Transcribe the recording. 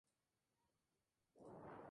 Así asegura seguridad extremo a extremo.